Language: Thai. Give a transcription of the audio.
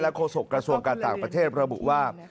โฆษกระทรวงการต่างประเทศระบุว่า